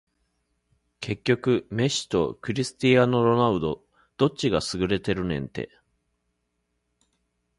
結局メッシとクリスティアーノ・ロナウドどっちが優れてるねんて